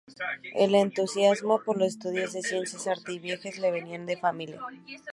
El entusiasmo por los estudios de ciencia, arte y viajes le venía de familia.